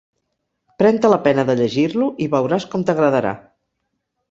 Pren-te la pena de llegir-lo i veuràs com t'agradarà.